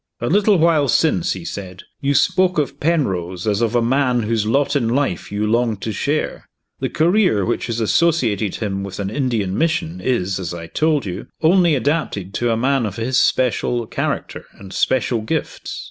"A little while since," he said, "you spoke of Penrose as of a man whose lot in life you longed to share. The career which has associated him with an Indian mission is, as I told you, only adapted to a man of his special character and special gifts.